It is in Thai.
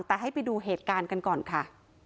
แต่ให้ไปดูเหตุการณ์กันก่อนค่ะ